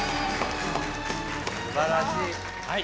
すばらしい。